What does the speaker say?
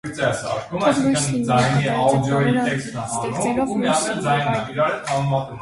«թող լույս լինի» և կատարեց այդ բառերը, ստեղծելով լույս և այլն։